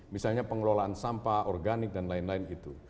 misalnya pengelolaan sampah organik dan lain lain itu